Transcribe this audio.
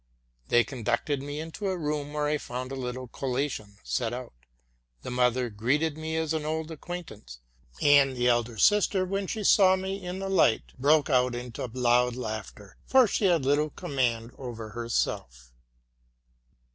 '' They con ducted me into a room, where I found a little collation set out. The mother greeted me as an old acquaintance: and the elder sister, when she saw me in the light, broke out into loud laughter ; for she had little command over herself.